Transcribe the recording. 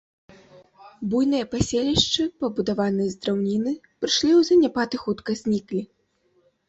Буйныя паселішчы, пабудаваныя з драўніны, прыйшлі ў заняпад і хутка зніклі.